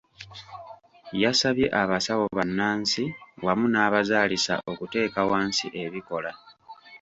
Yasabye abasawo bannansi wamu n'abazaalisa okuteeka wansi ebikola.